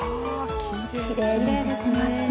きれいに出ていますね。